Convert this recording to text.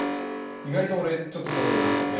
意外と俺ちょっとそれ分かるなと思ってて。